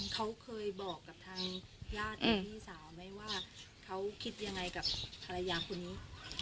เขาเคยบอกกับทางญาติของพี่สาวไหมว่าเขาคิดยังไงกับภรรยาคนนี้